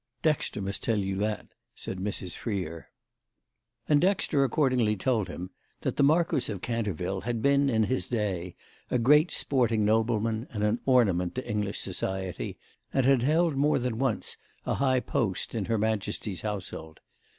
"Dexter must tell you that," said Mrs. Freer. And Dexter accordingly told him that the Marquis of Canterville had been in his day a great sporting nobleman and an ornament to English society, and had held more than once a high post in her Majesty's household.